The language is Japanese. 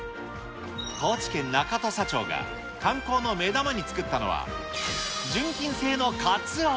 高知県中土佐町が観光の目玉に作ったのは、純金製のかつお。